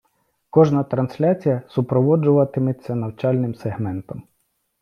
Кожна трансляція супроводжуватиметься навчальним сегментом.